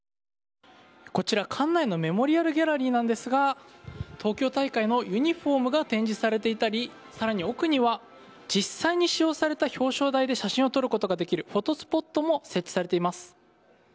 こちら、館内のメモリアルギャラリーなんですが東京大会のユニホームが展示されていたり更に奥には実際に使用された表彰台で写真を撮ることができるフォトスポットも設置されています。